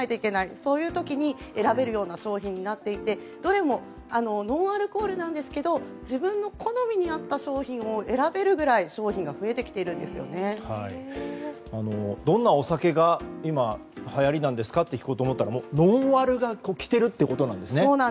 そういう時に選べるような商品になっていてどれもノンアルコールですが自分の好みに合った商品を選べるぐらいどんなお酒が今、はやりなんですかと聞こうと思ったらノンアルがきているということですね。